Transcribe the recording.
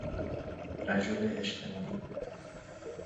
رجل اجتماعی